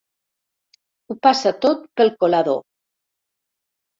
Ho passa tot pel colador.